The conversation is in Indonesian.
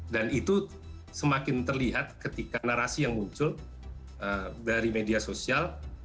dan itu semakin terlihat ketika narasi yang muncul dari media sosial